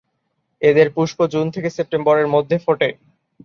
এদের পুষ্প জুন থেকে সেপ্টেম্বরের মধ্যে ফোটে।